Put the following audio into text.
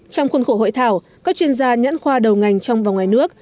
trong khuôn khổ hội thảo các chuyên gia nhãn khoa đầu ngành trong và ngoài nước